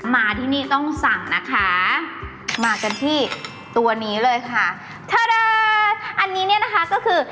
มาที่นี่ต้องสั่งนะคะมากันที่ตัวนี้เลยค่ะทาราอันนี้เนี่ยนะคะก็คือ